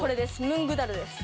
ムングダルです。